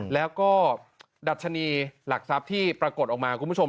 แล้วก็ดัชนีหลักทรัพย์ที่ปรากฏออกมาคุณผู้ชม